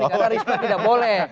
karena risma tidak boleh